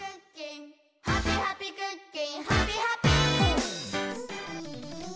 「ハピハピ・クッキンハピハピ！」